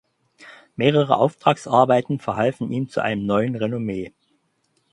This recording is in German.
Mehrere Auftragsarbeiten verhalfen ihm zu einem neuen Renommee.